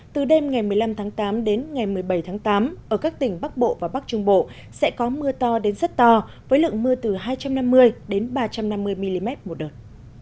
từ đêm ngày một mươi năm tháng tám đến ngày một mươi bảy tháng tám ở các tỉnh bắc bộ và bắc trung bộ sẽ có mưa to đến rất to với lượng mưa từ hai trăm năm mươi đến ba trăm năm mươi mm một đợt